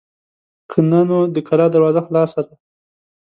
که نه نو د کلا دروازه خلاصه ده.